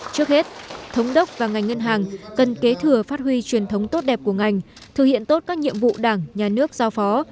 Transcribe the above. trước hết thống đốc và ngành ngân hàng cần kế thừa phát huy truyền thống tốt đẹp của ngành thực hiện tốt các nhiệm vụ đảng nhà nước giao phó